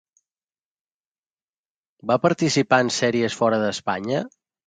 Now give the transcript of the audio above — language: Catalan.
Va participar en sèries fora d'Espanya?